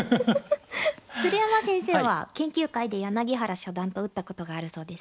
鶴山先生は研究会で柳原初段と打ったことがあるそうですね。